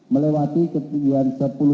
melewati ketinggian sepuluh